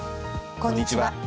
こんにちは。